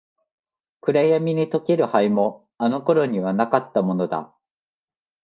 暗闇に溶ける灰も、あの頃にはなかったものだ。